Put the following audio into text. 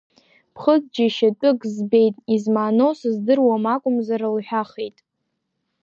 Ԥхыӡ џьашьатәык збеит, измааноу сыздыруам акәымзар, лҳәахит.